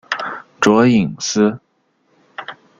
卓颖思。